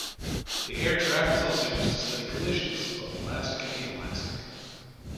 The air track is also used to study collisions, both elastic and inelastic.